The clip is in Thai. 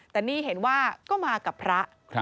แต่นี่เห็นว่าก็มากับพระ